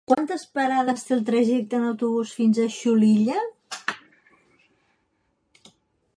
Quantes parades té el trajecte en autobús fins a Xulilla?